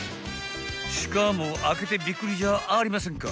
［しかも開けてびっくりじゃありませんか］